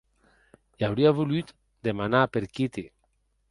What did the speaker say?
E aurie volut demanar per Kitty.